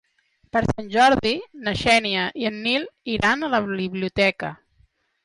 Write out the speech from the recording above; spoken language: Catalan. Per Sant Jordi na Xènia i en Nil iran a la biblioteca.